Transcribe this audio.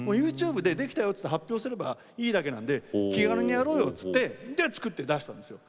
ＹｏｕＴｕｂｅでできたよって発表すればいいだけなんで気軽にやろうよって言って作って出したんですよ。